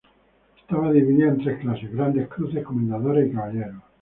Estaba dividida en tres clases: grandes cruces, comendadores y caballeros.